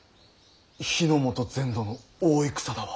日ノ本全土の大戦だわ。